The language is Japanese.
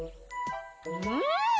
うん！